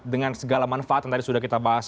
dengan segala manfaat yang tadi sudah kita bahas